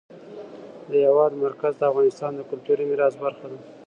د هېواد مرکز د افغانستان د کلتوري میراث برخه ده.